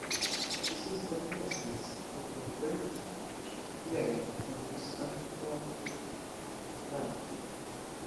This is the basis of the French claim on this Antarctic land.